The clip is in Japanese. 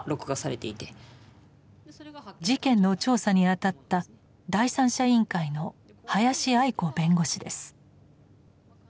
事件の調査にあたった第三者委員会の林亜衣子弁護士です。